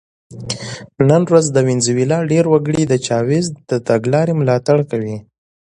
نن ورځ د وینزویلا ډېر وګړي د چاوېز د تګلارې ملاتړ کوي.